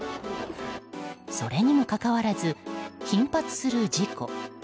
それにもかかわらず頻発する事故。